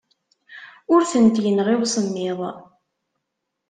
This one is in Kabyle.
Ur tent-yenɣi usemmiḍ.